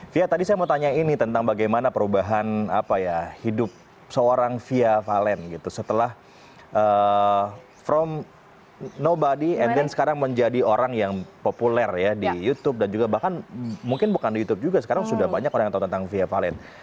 fia tadi saya mau tanya ini tentang bagaimana perubahan apa ya hidup seorang fia valen gitu setelah from no body and then sekarang menjadi orang yang populer ya di youtube dan juga bahkan mungkin bukan di youtube juga sekarang sudah banyak orang yang tahu tentang fia valen